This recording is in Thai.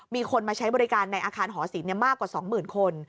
มีคนมาใช้บริการในอาคารหอสินเนี่ยมากกว่า๒หมื่นคน